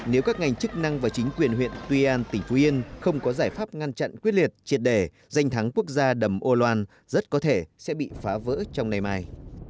nếu các ngành chức năng và chính quyền huyện tuy an tỉnh phú yên không có giải pháp ngăn chặn quyết liệt triệt đề danh thắng quốc gia đầm âu loan rất có thể sẽ bị phá vỡ trong ngày mai